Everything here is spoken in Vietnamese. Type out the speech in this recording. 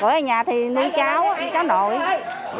của nhà thì nuôi cháu cháu nội